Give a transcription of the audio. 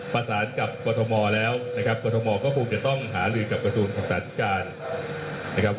ประสานกับกฎธมแล้วกฎธมก็คงจะต้องหาฤทธิกรกสมศาสตร์ศาลิการ